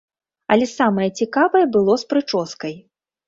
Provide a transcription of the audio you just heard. Але самае цікавае было з прычоскай.